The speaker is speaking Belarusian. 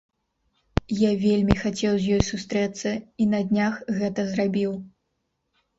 Я вельмі хацеў з ёй сустрэцца, і на днях гэта зрабіў.